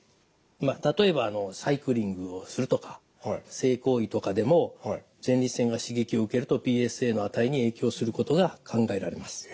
例えばサイクリングをするとか性行為とかでも前立腺が刺激を受けるとＰＳＡの値に影響することが考えられます。